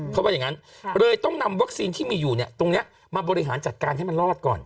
เขาว่าอย่างนั้นเลยต้องนำวัคซีนที่มีอยู่เนี่ยตรงนี้มาบริหารจัดการให้มันรอดก่อน